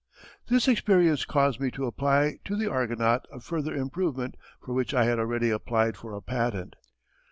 This experience caused me to apply to the Argonaut a further improvement for which I had already applied for a patent.